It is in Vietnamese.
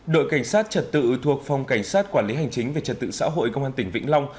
đội cảnh sát trật tự thuộc phòng cảnh sát quản lý hành chính về trật tự xã hội công an tỉnh vĩnh long